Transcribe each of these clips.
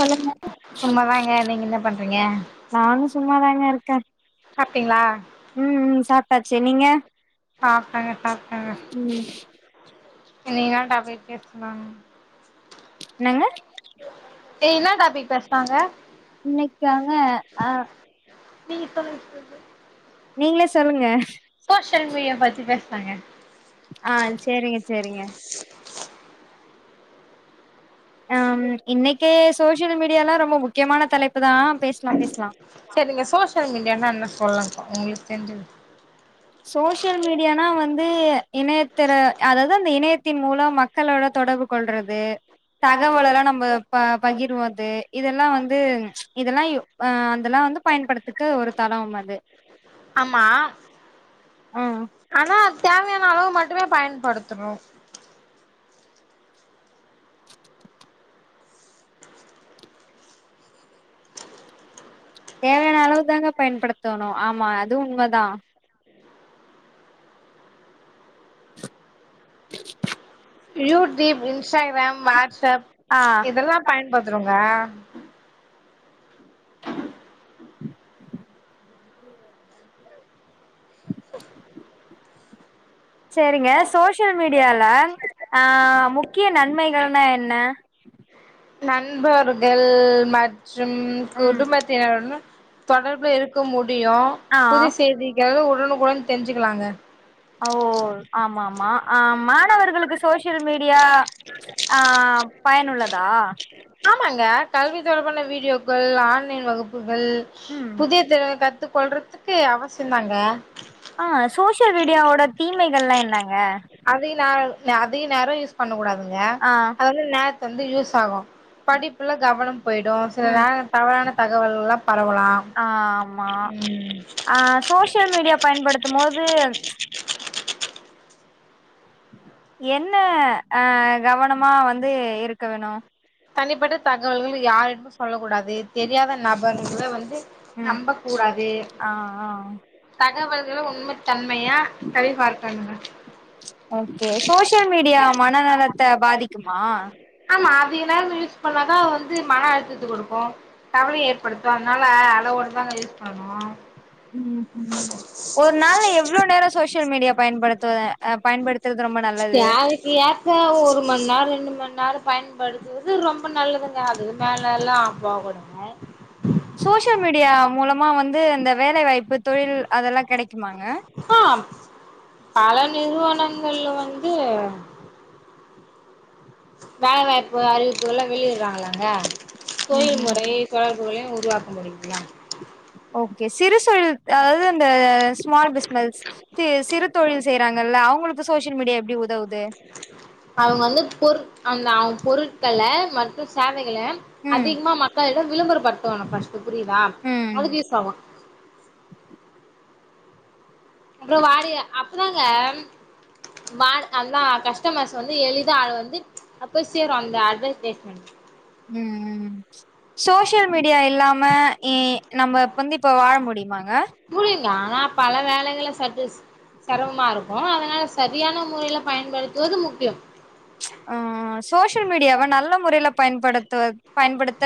சொல்லுங்க சும்மாதாங்க நீங்க என்ன பண்றீங்க? நானு சும்மாாதாங்க இருக்கேன் சாப்ட்டீங்ளா ம் ம் சாப்ட்டாச்சு நீங்க ஆ சாப்ட்டங்க சா ம் இன்னயோட அப்டியே பேசலாங் என்னங்க டே என்ன டாபிக் பேசுனாங்க இன்னைக்காங்க ஆ நீ இப்ப வர சொல்லு நீங்களே சொல்லுங்க சோஷியல் மீடியா பத்தி பேசறாங்க ஆ சேரிங்க சேரிங்க ஆ இன்னைக்கே சோஷியல் மீடியால்லா ரொம்ப முக்கியமான தலைப்புதான் பேசலா பேசலா சேரிங்க சோஷியல் மீடியானா என்ன சொல்லுங் உங்களுக்கு தெரிஞ்சது சோஷியல் மீடியானா வந்து இணையத்தர அதாவது அந்த இணையத்தின் மூலம் மக் களோட தொடர்பு கொள்றது தகவலெல்லா நம்ம ப பகிர்வது இதெல்லா வந்து இதெல்லா ஆ அதெல்லா வந்து பயன்படுத்துக்கு ஒரு தளம் அது ஆமா ஆ ஆனா தேவ அளவு மட்டுமே பயன்படுத்துனு தேவையான அளவு தாங்க பயன்படுத்தணு ஆமா அது உண்மதா உ [inaudible] [inaudible] யூடியூப் இன்ஸ்டாகிராம் வாட்ஸ்அப் ஆ இதெல்லா பயன்படுத்துருங்க ம் சேரிங்க சோஷியல் மீடியால ஆ முக்கிய நன்மைகள்னா என்ன நண்பர்கள் மற்றும் ம் குடும்பத்தினருடன் தொடர்புல இருக்க முடியு ஆ புது செய்தி எது உடனுக்குடன் தெரிஞ்சுக்கலாங்க ஓ ஆமாமா ஆ மாணவர்களுக்கு சோசியல் மீடியா ஆ பயனுள்ளதா ஆமாங்க கல்வி தொடர்பான வீடியோக்கள் ஆன்லைன் வகுப்புகள் ம் புதிய திறன கத் த்து கொள்றதுக்கு அவசியோ தாங்க ஆ சோசியல் மீடியாவோட தீமைகள்லா என்னங்க அதிக ந அதிக நரோ யூஸ் பண்ண கூடாதுங்க ஆ அதது வந்து நேரத்து வந்து யூஸ் ஆகு படிப்புல கவனம் போய்டு சில ம் நேரோ தவறான தகவல்கலா பரவலா ஆமா ம் ஆ சோசியல் மீடியா பயன்படுத்தும் போது என்ன அ கவனமா வந்து இருக்க வேணு தனிப்பட்ட தகவல்கள் யாரிடமு சொல்ல கூடாது தெரியாத நபர்கள வந்து ம் நம்ப கூடாது ஆ ஆ தகவல்களள உண்மத்தன்மையா ஞரி பார்க்கணுங்க ஓகே சோசியல் மீடியா மனநலத்த பாதிக்குமா ஆமா அது எல்லாமே யூஸ் பண்ணாதா வந்து மன அழுத்தத்து குடுக்கு கவலை ஏற்படுத்து அதனால அளவோடு தாங்க யூஸ் பண்ணணு ம் ம் ஒரு நாள்ல எவ்ளோ நேரோ சோசியல் மீடியா பயன்படுத்து அ பயன்படுத்துறது ரொம்ப நல்லது ஏக்க ஒரு மண்நரோ ரெண்டு மண் நரோ பயன்படுத்துவது ரொம்ப நல்லதுங்க அது மேலல்லா அப்பாவ கொடுங்க சோசியல் மீடியா மூலமா வந்து இந்த வேல வாய்ப்பு தொழில் அதெல்லா கெடைக்குமாங்க ஆம் பல நிறுவனங்கள்ல வந்து வேலை வாய்ப்பு அறிவிப்புகல்லா வெளியிடுறாங்கல்லங்க ம் தொழில் ம் முறை தொடர்புகளையு உருவாக்க முடியுங்லா ஓகே சிறுசொழி அதாது இந்த ஸ்மால் பிஸ்னஸ் சி சிறு தொழில் செய்றாங்கல்ல அவங்களுக்கு சோசியல் மீடியா எப்டி உதவுது அவங்க வந்து பொருட் அந்த அவங்க பொருட்கள மத் த சேவைகள ம் அதிகமா மக்களிடம் விளம்பரப்படுத்துவாங்க ஃபஸ்ட்டு புரியுதா ம் அதுக்கு யூஸ் ஆகு அப்புறோ வாடி அப்பதாங்க வா அதா கஷ் டமர்ஸ் வந்து எளிதா ஆள் வந்து அப்ப சேரு அந்த அட்வடேஸ்மெண் ம் சோசியல் மீடியா இல்லாம இ நம்ம இப்ப வந்து வாழ முடியுமாங்க புரில ஆனா பல வேலகள சஜஸ் செரம்மா இருக்கு அதனால சரியான முறைல பயன்படுத்துவது முக்கியம் ஆ சோசியல் மீடியாவ நல்ல முறைல பயன்படுத்துவ பயன்படுத்த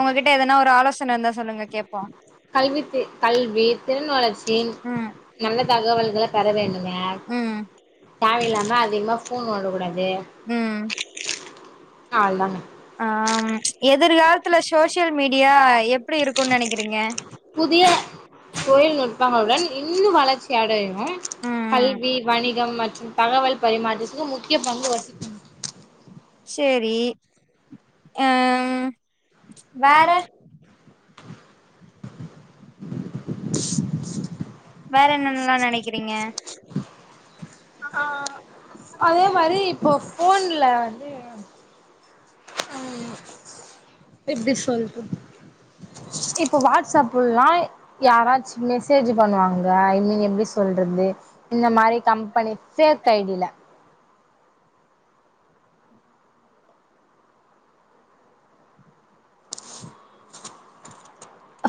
உங்ககிட்ட எதனா ஒரு ஆலோசன இர்ந்தா சொல்லுங்க கேப்போ கல்வித்து கல் ல் வீட்டின் வளர்ச்சியின் ம் நல்ல தகவல்கள பெற வேணுங்க ம் தேவயில்லாம அதிகமா ஃபோன் நொண்ட குடாது ம் அவ்ள் தாங்க ஆ எதிர்காலத்துல சோசியல் மீடியா எப்பிடி இருக்குன் நெனைக்கறீங்க புதிய தொழில் நுட்பங்களுடன் இன்னு வளர்ச்சி அடயும் ம் ம் கல்வி வணிகம் மற்றும் தகவல் பரிமாற்றத்துக்கு முக்கிய பங்கு வசிக் செரி ஆ ம் வேற வேற என்னென்ல்லா நெனைக்கிறீங்க ஆ அதே மாரி இப்போ ஃபோன்ல வந்து ம் எப்டி சொல்றது இப்ப வாட்ஸ்அப்புல்லா யாராச்சி மெஸ்சேஜு பண்ணுவாங்க ஐ மீன் எப்டி சொல்றது இந்த மாரி கம்பெனி ஃபேக் ஐடி ல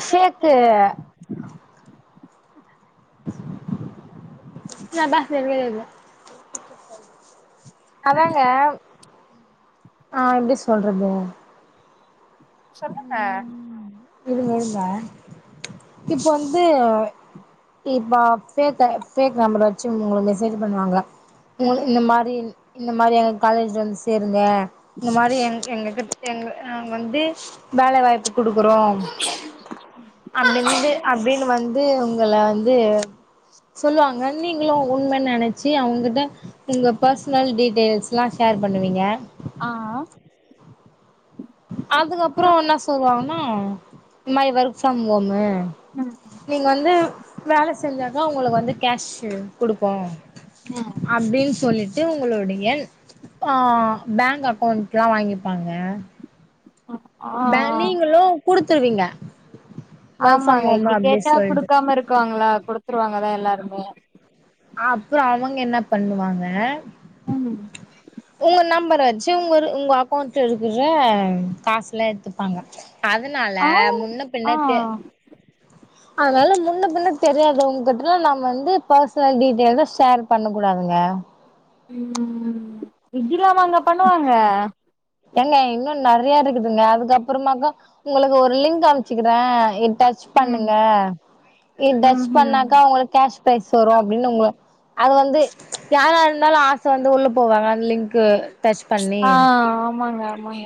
அ ஃபேக்கு சே பே என்க்கே தெரில அதாங்க ஆ எப்டி சொல்றது சொல்லுங்க இருங்க இருங்க இப்ப வந்து இப்போ ஃபேக் டைப் ஃபேக் நம்பர் வெச்சு உங்களுக் மெசேஜ்ஜு பண்ணுவாங்க உங்கள ம் இந்த மாரி இன் இந்த மாதிரி எங் காலேஜ்ல வந்து சேருங்க இந்த மாரி எங் எங்க கிட் எங்க நாங் வந்து வேலை வாய்ப்பு குடுக்குறோ அப்டின்ட்டு அப்டின் வந் து உங்கள வந்து சொல்லுவாங்க நீங்களு உண்மன் நெனச்சி அவுங்கிட்ட உங்க பர்ஸ்னல் டீடெய்ல்ஸ்ல்லா ஷேர் பண்ணுவீங்க ஆ அதுக்கப்பறோ என்ன சொல்வாங்ன்னா இந் மாரி ஒர்க் ஃப்ரம் ஓமு ம் நீங் வந்து வேல செஞ்சா தா உங்களுக் வந்து கேஷ்ஷு குடுப்போ ம் அப்டின் சொல்லிட்டு உங்களுடைய ஆ பேங் அக்கௌண்ட்ல்லா வாங்கிப்பாங்க ஆ பே நீங்களு குடுத்துருவீங்க ஒர்க் ஃப்ரம் ஆமாங்க ஹோமு இப்டி அப்டி கேட்டா சொல்ட்டு குடுக்காம இருக்காங்ளா குடுத்துருவாங்கதா எல்லாருமே அப்றோ அவங் என்ன பண்ணுவாங்க ம் உங்க நம்பர வச்சு இவுங் ஒரு உங்க அக்கௌண்ட்ல இருக்கிற காசுல்லா எட்த்துப்பாங்க அதுனால ஆ முன்ன பின்ன கே ஆ அதுனால முன்ன பின்ன தெரியாதவ்ங்கிட்டல்லா நாம வந்து பர்ஸ் னல் டீடெய்ல்லா ஷேர் பண்ணக்கூடாதுங்க ம் இப்டிலாமா அவுங்க பண்ணுவாங்க ஏங்க இன்னு நெறையா இருக்குதுங்க அதுக்கப்பறமாக்க உங்களுக் ஒரு லிங்க் அம்ச்சசிக்கறே இத் டச் ம் பண்ணுங்க இத் ம் டச் ம் பண்ணாக்கா உங்ளு க் கேஷ் ப்ரைஸ் வரு அப்டின் உங்கள அது வந்து யாரா இருந்தாலும் ஆச வந்து உள்ள போவாங்க அந்த லிங்க்கு டச் பண்ணி ஆ ஆமாங்க ஆமாங்க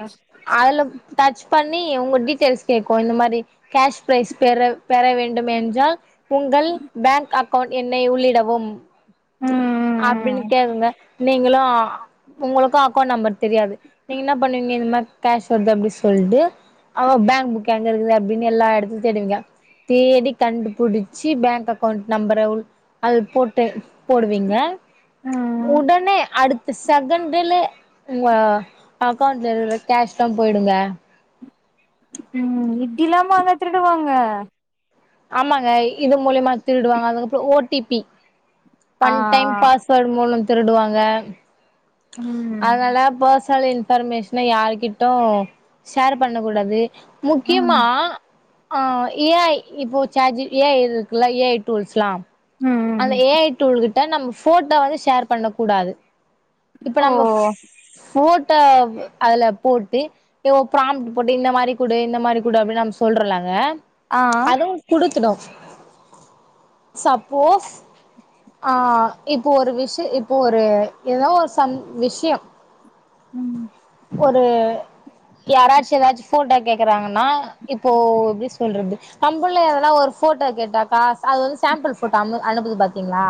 அதுல டச் பண்ணி உங்க டிடெய்ல்ஸ் கேக்கும் இந்த மாரி கேஷ் ப்ரைஸ் பெற பெற வேண்டும் என்றால் உங்கள் பேங்க் அக்கவுண்ட கவுண்ட் எண்ணை உள்ளிடவும் அப்படின்னு ம் கேக்குங்க நீங்களும் உங்களுக்கும் அக்கௌண்ட் நம்பர் தெரியாது நீங்க என்ன பண்ணுவீங்க இந்த மாதிரி கேஷ் வருது அப்படி சொல்லிட்டு அவ பேங்க் புக் எங்க இருக்குது அப்படின்னு எல்லா இடத்துலையும் தேடுவீங்க தேடி கண்டுபிடிச்சி பேங்க் அக்கௌண்ட் நம்பர அத போட்டோ எடுத்து போடுவீங்க ம் உடனே அடுத்த செகண்ட்ல உங்க அக்கவுண்டல கேஷ்லா போயிடுங்க உம் இப்படில்லாமா அவுங்க திருடுவாங்க ஆமாங்க இது மூலியமா திருடுவாங்க அதுக்கப்புறம் ஓடிபி ஆ பன் டைம் பாஸ்வேர்ட் மூலம் திருடுவாங்க ம் அதனால பெர்ஷனல் ஷ்னல் இன்ஃபர்மேஷன யாருகிட்டும் ஷேர் பண்ண கூடாது முக்கியமா ம் ஆ ஏஐ இப்போ சார்ஜிபிடி ஏஐ இருக்குல்ல ஏஐ டூல்ஸ்லா அந்த ம் ஏ ஐ டூல்கிட்ட நம்ம ஃபோட்டோ வந்து ஷேர் பண்ண கூடாது இப்ப ஓ நம்ம ஃபோட்டோ அதுல போட்டு உன் பிராம்ட்டு போட்டு இந்த மாரி குடு இந்த மாரி குடு அப்படின்னு நம்ம சொல்றோ இல்லங்க ஆ அதுவும் குடுத்துடும் சப்போஸ் ஆ இப்போ ஒரு விஷய இப்போ ஒரு ஏதோ ஒரு சம் விஷயம் உம் ஒரு யாராச்சு ஏதாச்சு ஃபோட்டா கேக்குறாங்கன்னா இப்போ எப்டி சொல்றது கம்புள்ல எதனா ஒரு ஃபோட்டோ கேட்டாக்கா அது வந்து சாம்பிள் ஃபோட்டோ அனு அனுப்புது பா்த்தீங்களா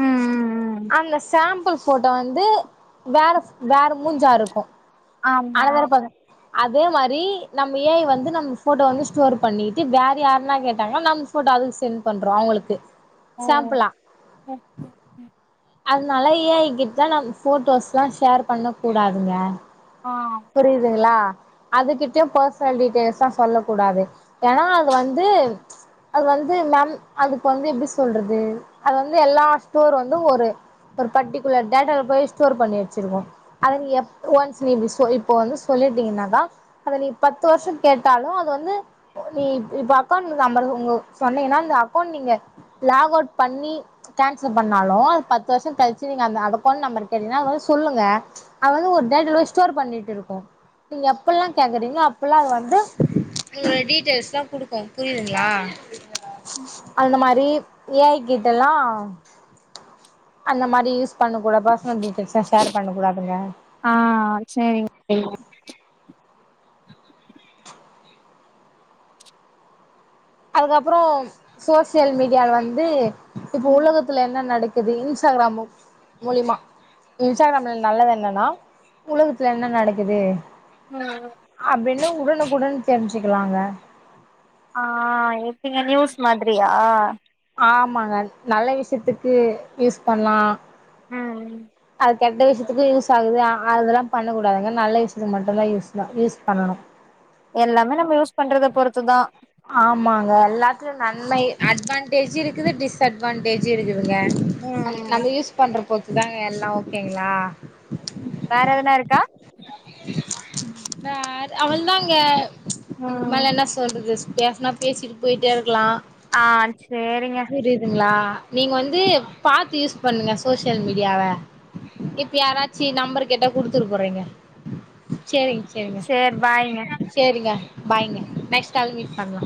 ம் ம் அந்த சாம்பிள்ஸ் ஃபோட்டோ வந்து வேற வேற மூஞ்சா இருக்கும் ஆமா அதுல இருப்பாங்க அதே மாரி நம்ம ஏ ஐவந்து நம்ம ஃபோட்டோ வந்து ஸ்டோர் பண்ணிட்டு வேற யாருன்னா கேட்டாங்கன்னா நம் ஃபோட்டோ அதுக்கு சென்ட் பண்றோம் அவுங்களுக்கு ஓ சேம்பிளா அதனால ஏஐ கிட்டலா நம்ம ஃபோட்டோஸ்லா ஷேர் பண்ணக்கூடாதுங்க ஆம் புரியுதுங்களா அது கிட்டயு பர்சனல் டீட்டெயில்ஸ்லா சொல்லக் கூடாது ஏன்னா அது வந்து அது வந்து மேம் அதுக்கு வந்து எப்டி சொல்றது அது வந்து எல்லா ஸ்டோர் வந்து ஒரு ஒரு பர்டிகுலர் டேட்டால போய் ஸ்டோர் பண்ணி வச்சிருக்கு அத நீ எப் ஒன்ஸ் இப்போ இப்போ வந்து சொல்லிட்டீங்கன்னாக்க அத நீ பத்து வருஷம் கேட்டாலும் அது வந்து நீ இப்ப அக்கௌண்ட் நம்பர் உங்க சொன்னிங்கன்னா இந்த அக்கௌண்ட் நீங்க லாக் அவுட் பண்ணி கேன்சல் பண்ணாலும் அது பத்து வருஷம் கழிச்சு நீங்க அந்த அத கோட் நம்பர் கேட்டீங்கன்னா அது வந்து சொல்லுங்க அது வந்து ஒரு டேட்டால போய் ஸ்டோர் பண்ணிட்டு இருக்கு நீங்க எப்பல்லா கேக்குறீங்கலோ அப்பல்லா அது வந்து உங்க டீட்டெய்ல்ஸ்ல்லா குடுக்கும் புரியுதுங்களா அந்த மாரி ஏ ஐ கிட்டல்லா அந்த மாரி யூஸ் பண்ண கூடாது பர்சனல் டீடெய்ல்ஸ்லா ஷேர் பண்ண கூடாதுங்க ஆ சேரிங்க தோழி அதுக்கப்புறோ சோசியல் மீடியால வந்து இப்ப உலக த்துல என்ன நடக்குது இன்ஸ்டாகிராம் மூலியமா இன்ஸ்டாகிராம்ல நல்லது என்னன்னா உலகத்துல என்ன நடக்குது ம் அப்டின்னு உடனுக்குடன் தெரிஞ்சுக்குலாங்க ஆ எப்டிங்க நியூஸ் மாதிரியா ஆமாங்க நல்ல விஷ்யத்துக்கு யூஸ் பண்லா ம் அது கெட்ட விஷயத்துக்கு யூஸ் ஆகுது ஆனா அதெல்லா பண்ண கூடாதுங்க நல்ல விஷயத்துக்கு மட்டுந்தா யூஸ்னு யூஸ் பண்ணணு எல்லாமே நம்ம யூஸ் பண்றத பொறுத்துதா ஆமாங்க எல்லாத்திலியு நன்மை அட்வான்டேஜு இருக்குது டிஸ்அட்வான்டேஜு இருக்குதுங்க நம் ம் நம்ம யூஸ் பண்ற பொற்த்துதாங்க எல்லா ஓகேங்ளா வேற எதனா இருக்கா வேற அவல் தாங்க இதுக் ம் மேல என்ன சொல் சொல்றது பேஸ்னா பேசிட்டு போயிட்டே இருக்கலா ஆ சேரிங்க புரிதுங்ளா நீங்க வந்து பாத் யூஸ் பண்ணுங்க சோஷியல் மீடியால இப்ப யாராச்சி நம்பர் கேட்டா குடுத்துர் போறீங்க செரிங் செரிங்க சேர் பாய்ங்க சேரிங்க பாய்ங்க நெக்ஸ்ட் கால் மீட் பண்லா